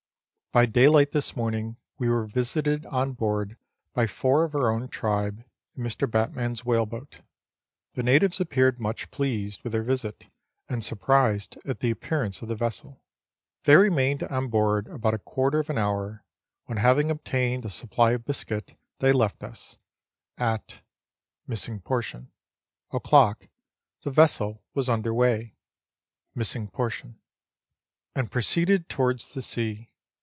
By daylight this morning we were visited on board by four of our own tribe, in Mr. Batman's whale boat. The natives appeared much pleased with their visit and surprised at the appearance of the vessel. They remained on board about a quarter of an hour, when having obtained a supply of biscuit, they left us. At o'clock, the vessel was under weigh .. and proceeded towards the sea.